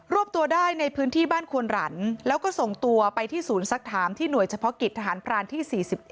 วบตัวได้ในพื้นที่บ้านควนหลันแล้วก็ส่งตัวไปที่ศูนย์สักถามที่หน่วยเฉพาะกิจทหารพรานที่๔๑